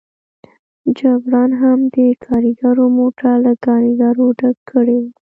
جګړن هم د کاریګرو موټر له کاریګرو ډک کړی و.